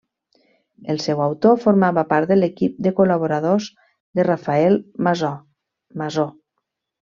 El seu autor formava part de l'equip de col·laboradors de Rafael Masó.